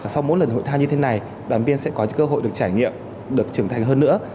sau mỗi lần hội thao như thế này đoàn viên sẽ có cơ hội được trải nghiệm được trưởng thành hơn nữa